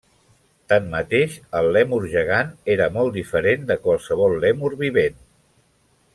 Tanmateix, el lèmur gegant era molt diferent de qualsevol lèmur vivent.